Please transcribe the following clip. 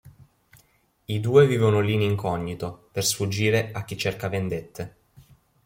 I due vivono lì in incognito, per sfuggire a chi cerca vendette.